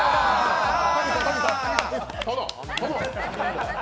殿！